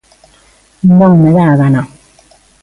Non me da a gana.